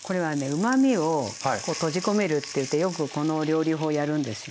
うまみを閉じ込めるっていってよくこの料理法やるんですよね。